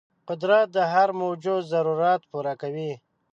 قدرت د هر موجود ضرورت پوره کوي.